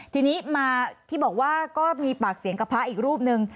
ทีนี้มาที่บอกว่าก็มีปากเสียงกับพระอีกรูปนึง